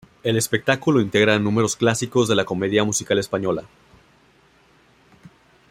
El espectáculo integra números clásicos de la comedia musical española.